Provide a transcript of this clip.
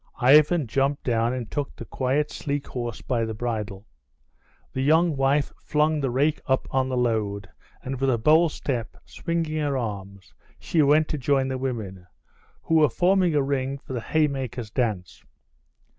Ivan jumped down and took the quiet, sleek horse by the bridle. The young wife flung the rake up on the load, and with a bold step, swinging her arms, she went to join the women, who were forming a ring for the haymakers' dance.